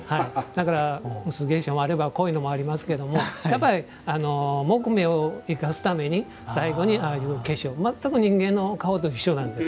薄化粧もあれば濃いのもありますけれどもやっぱり木目を生かすために最後にああいう化粧全く人間の顔を一緒なんです。